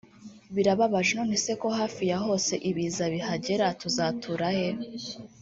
Birababaje nonese kohafi yahose Ibiza bihagera tuzatura he